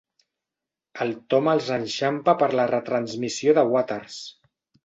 El Tom els enxampa per la retransmissió de Waters.